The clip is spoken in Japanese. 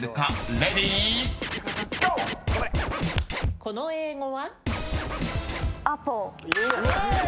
この英語は？